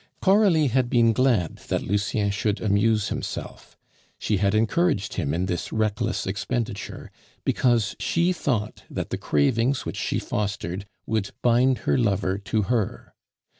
Coralie had been glad that Lucien should amuse himself; she had encouraged him in this reckless expenditure, because she thought that the cravings which she fostered would bind her lover to her.